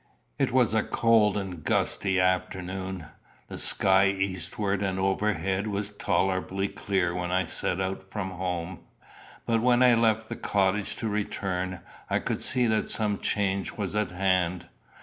It was a cold and gusty afternoon. The sky eastward and overhead was tolerably clear when I set out from home; but when I left the cottage to return, I could see that some change was at hand.